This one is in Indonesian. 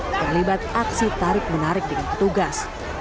terlibat aksi tarik menarik dengan petugas